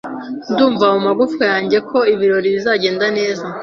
Ndumva mumagufwa yanjye ko ibirori bizagenda neza.